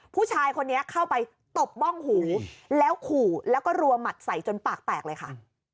ผู้ชายคนนี้เข้าไปตบบ้องหูแล้วขู่แล้วก็รัวหมัดใส่จนปากแตกเลยค่ะ